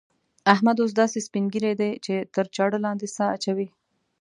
احمد اوس داسې سپين ږيری دی چې تر چاړه لاندې سا اچوي.